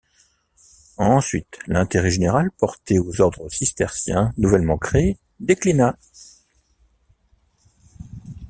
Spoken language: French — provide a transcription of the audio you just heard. Ensuite l'intérêt général porté aux ordres cisterciens nouvellement créés déclina.